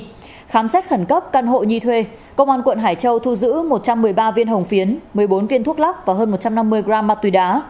khi khám xét khẩn cấp căn hộ nhi thuê công an quận hải châu thu giữ một trăm một mươi ba viên hồng phiến một mươi bốn viên thuốc lắc và hơn một trăm năm mươi gram ma túy đá